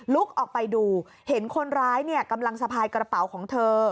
ออกไปดูเห็นคนร้ายกำลังสะพายกระเป๋าของเธอ